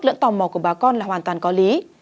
lượng tò mò của bà con là hoàn toàn có lý